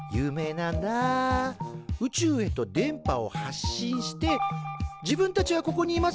宇宙へと電波を発信して自分たちはここにいます